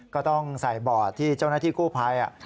ก็ต้องใส่บอร์ดที่เจ้าหน้าที่กู้ภัย